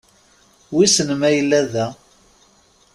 Wissen ma yella da?